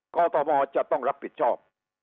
กตมจะต้องรับผิดชอบ